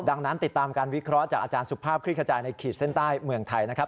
ดังนั้นติดตามการวิเคราะห์จากอาจารย์สุภาพคลิกขจายในขีดเส้นใต้เมืองไทยนะครับ